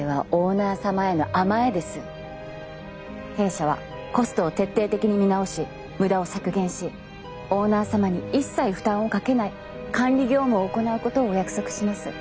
弊社はコストを徹底的に見直し無駄を削減しオーナー様に一切負担をかけない管理業務を行うことをお約束します。